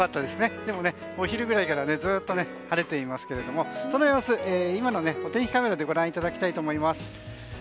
でも、お昼ぐらいからずっと晴れていますけどもその様子、今のお天気カメラでご覧いただきたいと思います。